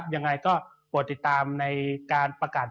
ยังไงก็ติดตามการประกาศ